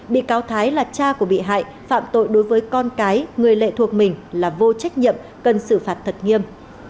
bị cáo thái là cha của bị hại phạm tội đối với con cái người lệ thuộc mình là vô trách nhiệm cần xử phạt thật nghiêm